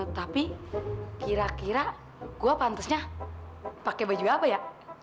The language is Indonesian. tapi kira kira gua pantesnya pake baju apa ya